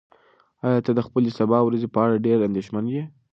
ایا ته د خپلې سبا ورځې په اړه ډېر اندېښمن یې؟